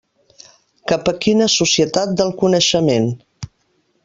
Cap a quina societat del coneixement.